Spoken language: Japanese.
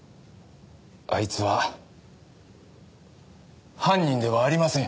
あいつは犯人ではありません。